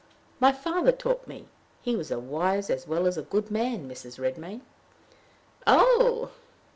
"My father taught me. He was a wise as well as a good man, Mrs. Redmain." "Oh!"